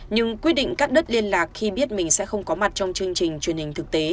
nhưng quyết định cắt đất liên lạc khi biết mình sẽ không có mặt trong chương trình truyền hình thực tế